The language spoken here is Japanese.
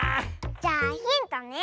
じゃあヒントね！